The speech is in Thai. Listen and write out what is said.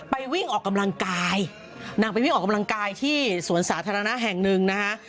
วิ่งออกกำลังกายนางไปวิ่งออกกำลังกายที่สวนสาธารณะแห่งหนึ่งนะฮะ